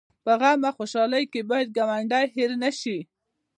په غم او خوشحالۍ کې باید ګاونډی هېر نه شي